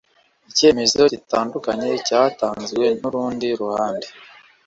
icyemezo gitandukanye cyatanzwe n’urundi ruhande